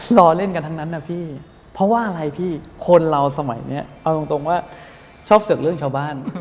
รอเล่นกันทั้งนั้นนะพี่เพราะว่าอะไรพี่คนเราสมัยนี้เอาตรงว่าชอบศึกเรื่องชาวบ้าน